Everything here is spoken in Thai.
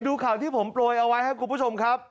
สู่ข่าวที่ผมโปรยเอาไว้ให้กลุ่มผู้ชมครับ